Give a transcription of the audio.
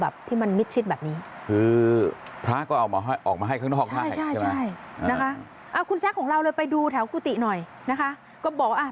ไปดูแถวกุฏิหน่อยก็บอกว่า